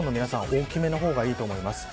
大きめのほうがいいと思います。